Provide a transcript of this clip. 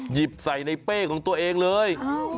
หยิบใส่ในเป้ของตัวเองเลย